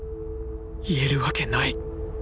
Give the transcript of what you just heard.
言えるわけない！